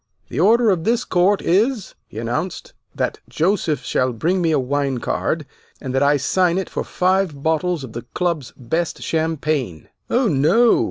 The order of this court is," he announced, "that Joseph shall bring me a wine card, and that I sign it for five bottles of the Club's best champagne." "Oh, no!"